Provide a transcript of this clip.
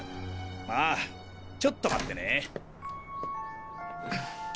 ああちょっと待ってね。